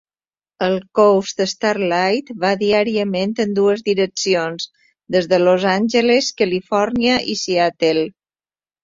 El "Coast Starlight" va diàriament en dues direccions des de Los Angeles, Califòrnia i Seattle.